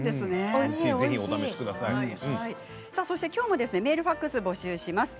きょうもメールファックスを募集します。